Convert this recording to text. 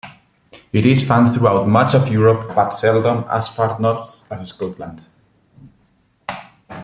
It is found throughout much of Europe but seldom as far north as Scotland.